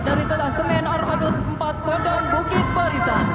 dari tetas semen arhanus empat kodong bukit barisan